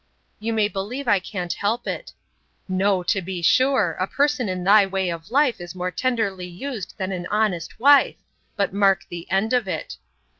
'—You may believe I can't help it. 'No, to be sure!—A person in thy way of life, is more tenderly used than an honest wife. But mark the end of it!